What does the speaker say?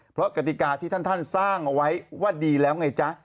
เพราะกติกาที่ท่านสร้างเอาไว้ว่าดีแล้วไงจ๊ะ